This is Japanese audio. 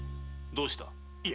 どうした？